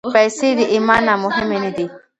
پېسې د ایمان نه مهمې نه دي.